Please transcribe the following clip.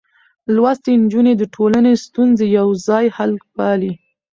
لوستې نجونې د ټولنې ستونزې يوځای حل پالي.